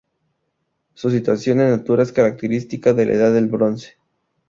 Su situación en altura es característica de la Edad del Bronce.